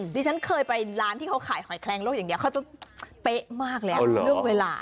ดิฉันเคยไปร้านที่เขาขายหอยแคลงโลกอย่างนี้เขาจะเป๊ะมากแล้วเรื่องเวลา